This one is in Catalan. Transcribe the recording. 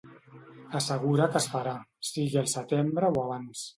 Assegura que es farà, sigui al setembre o abans.